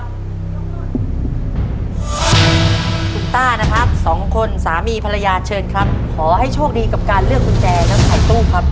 คุณต้านะครับสองคนสามีภรรยาเชิญครับขอให้โชคดีกับการเลือกกุญแจทั้งหลายตู้ครับ